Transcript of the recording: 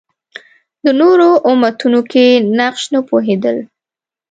د نورو امتونو کې نقش نه پوهېدل